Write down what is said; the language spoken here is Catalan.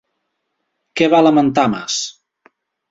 Què va lamentar Mas?